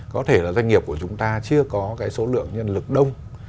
có thể là doanh nghiệp của chúng ta chưa có cái số lượng nhân lực đông